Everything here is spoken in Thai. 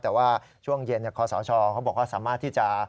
แต่ว่าช่วงเย็นคศเขาบอกว่าสามารถที่จะ